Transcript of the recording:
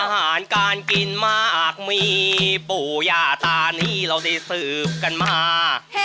อาหารการกินมากมีปู่ย่าตานี้เราได้สืบกันมา